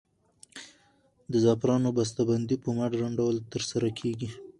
د زعفرانو بسته بندي په مډرن ډول ترسره کیږي.